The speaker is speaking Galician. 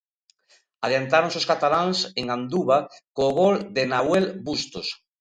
Adiantáronse os cataláns en Anduva co gol de Nahuel Bustos.